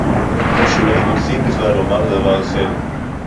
או שאולי רוצים בכלל לומר דבר אחר